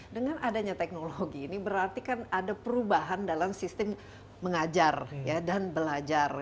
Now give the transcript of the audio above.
dengan adanya teknologi ini berarti kan ada perubahan dalam sistem mengajar dan belajar